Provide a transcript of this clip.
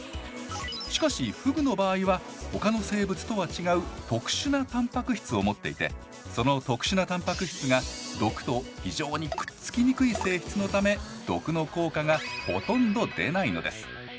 しかしフグの場合は他の生物とは違う特殊なたんぱく質を持っていてその特殊なたんぱく質が毒と非常にくっつきにくい性質のため毒の効果がほとんど出ないのです